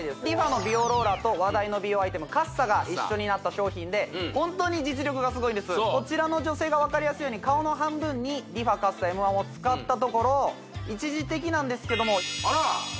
ＲｅＦａの美容ローラーと話題の美容アイテムカッサが一緒になった商品でホントに実力がすごいんですこちらの女性が分かりやすいように顔の半分にＲｅＦａＣＡＸＡＭ１を使ったところ一時的なんですけどもあら！